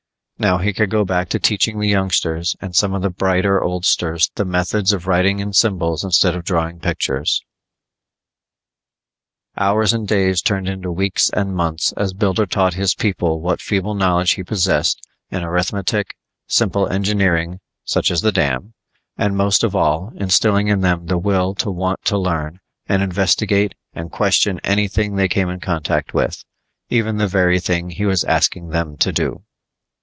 Now he could go back to teaching the youngsters and some of the brighter oldsters the methods of writing in symbols instead of drawing pictures. Hours and days turned into weeks and months as Builder taught his people what feeble knowledge he possessed in arithmetic, simple engineering such as the dam and most of all, instilling in them the will to want to learn and investigate and question anything they came in contact with even the very thing he was asking them to do.